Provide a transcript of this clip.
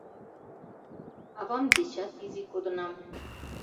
Авам дечат изи кодынам.